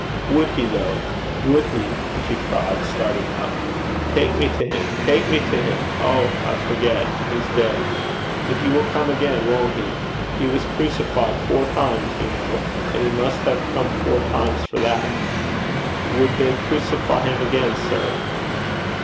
'Would he, though? Would he?' she cried, starting up. 'Take me to him take me to him. Oh! I forgot. He's dead. But he will come again, won't he? He was crucified four times, you know, and he must ha' come four times for that. Would they crucify him again, sir?'